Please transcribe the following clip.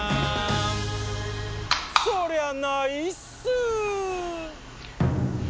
そりゃないっすー！